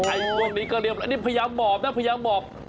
ไอ้ลูกนี้ก็เรียบพะยาหมอบนะพะยาหมอบ